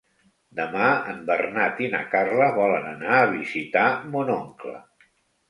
Demà en Bernat i na Carla volen anar a visitar mon oncle.